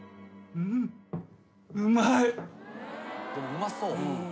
うまそう。